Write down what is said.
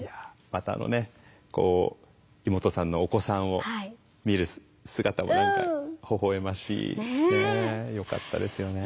またあのねこう妹さんのお子さんを見る姿も何かほほ笑ましい。ねえよかったですよね。